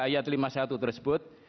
ayat lima puluh satu tersebut